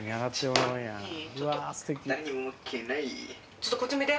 ちょっとこっち向いて。